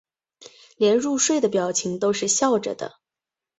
连入睡的表情都是笑着的